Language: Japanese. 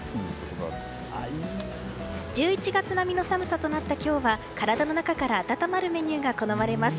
１１月並みの寒さとなった今日は体の中から温まるメニューが好まれます。